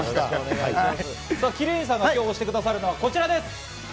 鬼龍院さんが今日、推してくださるのは、こちらです。